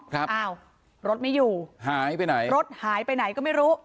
ครับอ้าวรถไม่อยู่หายไปไหนรถหายไปไหนก็ไม่รู้